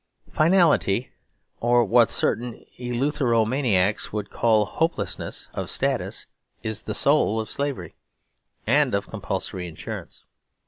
Finality (or what certain eleutheromaniacs would call hopelessness) of status is the soul of Slavery and of Compulsory Insurance.